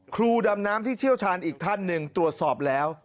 ครูดำน้ำที่เชี่ยวชาญอีกท่านหนึ่งตรวจสอบแล้ว